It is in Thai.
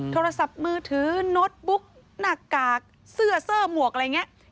โทรศัพท์มือถือโน้ตบุ๊กหน้ากากเสื้อหมวกอะไรอย่างนี้